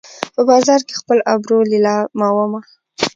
په بازار کې خپل ابرو لیلامومه